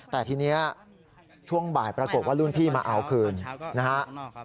แต่ทีนี้ช่วงบ่ายปรากฏว่ารุ่นพี่มาเอาคืนนะครับ